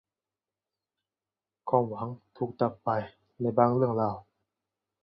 ความหวังถูกดับไปในบางเรื่องราว